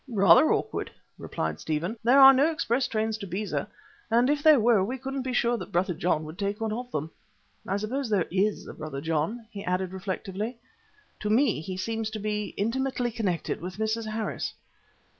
"Rather awkward," replied Stephen. "There are no express trains to Beza, and if there were we couldn't be sure that Brother John would take one of them. I suppose there is a Brother John?" he added reflectively. "To me he seems to be intimately connected with Mrs. Harris."